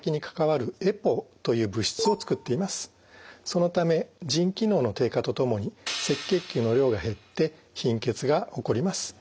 そのため腎機能の低下とともに赤血球の量が減って貧血が起こります。